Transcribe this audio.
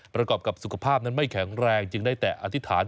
ประกอบกับสุขภาพนั้นไม่แข็งแรงจึงได้แต่อธิษฐาน